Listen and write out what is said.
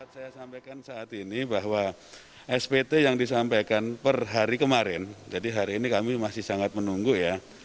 saya sampaikan saat ini bahwa spt yang disampaikan per hari kemarin jadi hari ini kami masih sangat menunggu ya